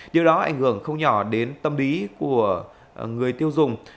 điều đó ảnh hưởng không nhỏ đến tâm lý của người tiêu dùng